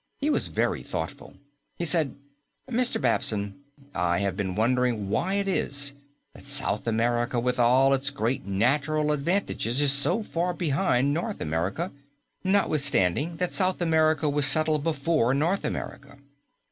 He was very thoughtful. He said, "Mr. Babson, I have been wondering why it is that South America with all its great natural advantages is so far behind North America notwithstanding that South America was settled before North America."